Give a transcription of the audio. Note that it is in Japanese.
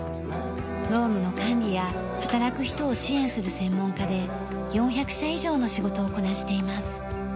労務の管理や働く人を支援する専門家で４００社以上の仕事をこなしています。